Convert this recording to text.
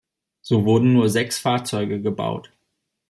So wurden nur sechs Fahrzeuge gebaut.